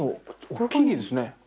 大きいですね。